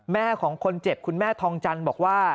แม่ของคนเจ็บคุณแม่ทองจันทร์บอกว่า